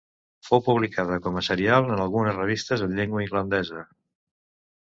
Fou publicada com a serial en algunes revistes en llengua irlandesa.